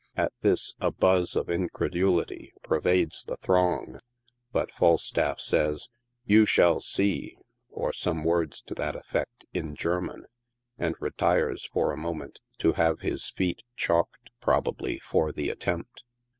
At this, a buzz of incredulity pervades the throng, but Falstaff says, "You shall see," or some words to that effect, in German, and re tires for a moment, to have his feet chalked, probably, for the at tempt.